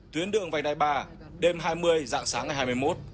tuyến đường vành đai ba đêm hai mươi dạng sáng ngày hai mươi một